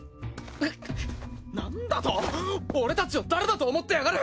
クッなんだと俺たちを誰だと思ってやがる！